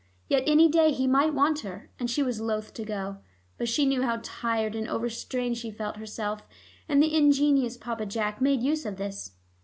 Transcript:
Yet any day he might want her, and she was loth to go. But she knew how tired and overstrained she felt herself, and the ingenious Papa Jack made use of this.